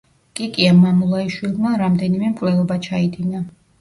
კიკია მამულაიშვილმა რამდნეიმე მკვლელობა ჩაიდინა.